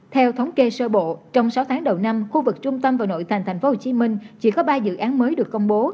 theo thống kê sơ bộ trong sáu tháng đầu năm khu vực trung tâm và nội thành tp hcm chỉ có ba dự án mới được công bố